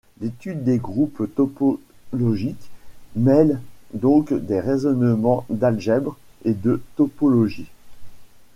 L'étude des groupes topologiques mêle donc des raisonnements d'algèbre et de topologie.